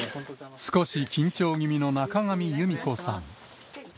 少し緊張気味の中神ゆみ子さん。